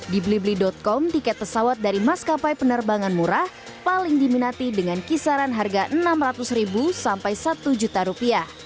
di blibli com tiket pesawat dari maskapai penerbangan murah paling diminati dengan kisaran harga rp enam ratus sampai rp satu